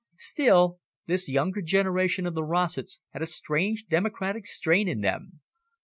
Still, this younger generation of the Rossetts had a strange democratic strain in them.